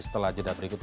setelah jeda berikut ini